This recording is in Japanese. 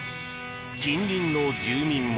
近隣の住民も。